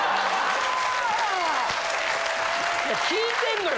聞いてんのよ。